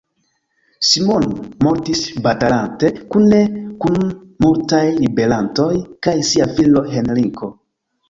Simon mortis batalante, kune kun multaj ribelantoj kaj sia filo Henriko.